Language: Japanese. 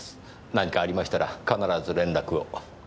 何かありましたら必ず連絡を。